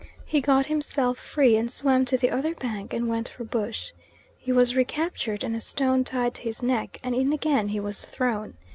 He got himself free, and swam to the other bank, and went for bush. He was recaptured, and a stone tied to his neck, and in again he was thrown.